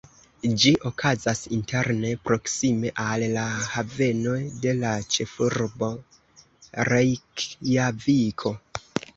Ĝi okazas interne proksime al la haveno de la ĉefurbo, Rejkjaviko.